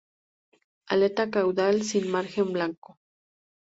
Aleta caudal sin margen blanco.